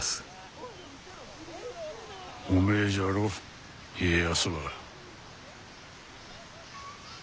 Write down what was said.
おめえじゃろ家康は。